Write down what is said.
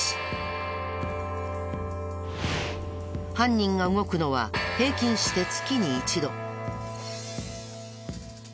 犯人が動くのは平均して月に１度。